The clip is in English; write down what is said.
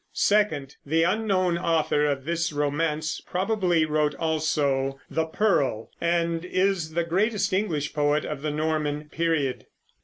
Second, the unknown author of this romance probably wrote also "The Pearl," and is the greatest English poet of the Norman period.